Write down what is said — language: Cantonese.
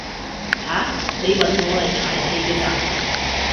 吓？你搵我嚟排戲㗎咋？